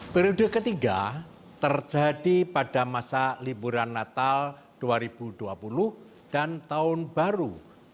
periode ketiga terjadi pada masa liburan natal dua ribu dua puluh dan tahun baru dua ribu dua puluh satu